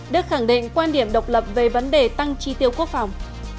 đức khẳng định quan điểm độc lập về vấn đề tăng tri tiêu quốc phòng